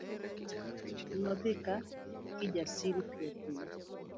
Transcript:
Nodhi ka Kijasiri piyopiyo.